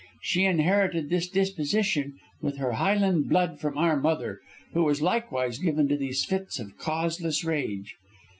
She inherited this disposition with her Highland blood from our mother, who was likewise given to these fits of causeless rage.